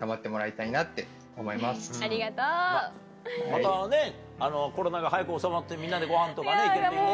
またねっコロナが早く収まってみんなでごはんとかね行けるといいね。